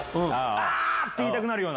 あーって言いたくなるような。